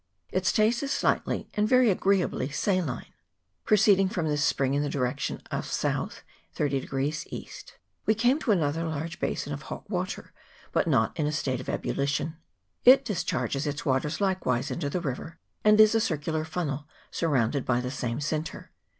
Its taste is slightly and very agreeably saline. Proceeding from this spring in a direction S. 30 E., we came to ano ther large basin of hot water, but not in a state of ebullition. It discharges its waters likewise into the river, and is a circular funnel, surrounded by the same sinter.